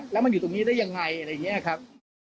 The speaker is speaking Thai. แล้วมันอยู่ตรงนี้ได้ยังไงอะไรอย่างนี้ครับ